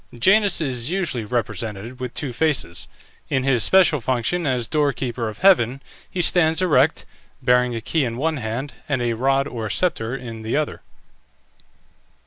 Janus is usually represented with two faces; in his special function as door keeper of heaven he stands erect, bearing a key in one hand, and a rod or sceptre in the other.